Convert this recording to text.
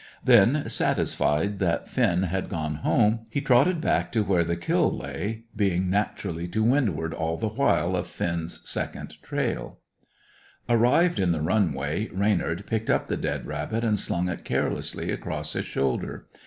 Then, satisfied that Finn had gone home, he trotted back to where the kill lay, being naturally to windward all the while of Finn's second trail. [Illustration: Finn's teeth sank deep.] Arrived in the run way, Reynard picked up the dead rabbit and slung it carelessly across his shoulder.